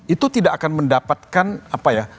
itu tidak akan mendapatkan apa ya